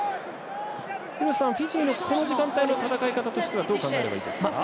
廣瀬さん、フィジーのこの時間帯の戦い方どう考えたらいいですか。